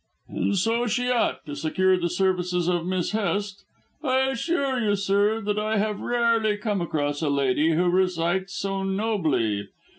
"And so she ought, to secure the services of Miss Hest. I assure you, sir, that I have rarely come across a lady who recites so nobly.